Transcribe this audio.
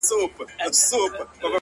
• شپې یې ډېري تېرېدې په مېلمستیا کي,